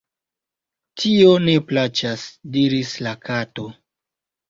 "Tio ne plaĉas," diris la Kato.